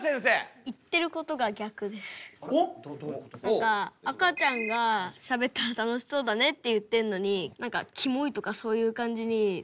何か赤ちゃんがしゃべったら楽しそうだねって言ってんのに何かキモいとかそういう感じにツッコんでて。